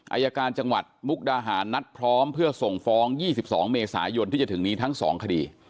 อายการจังหวัดมุกดาหารนัดพร้อมเพื่อส่งฟ้อง๒๒เมษายนที่จะถึงนี้ทั้ง๒คดี